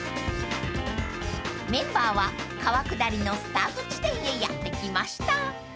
［メンバーは川下りのスタート地点へやって来ました］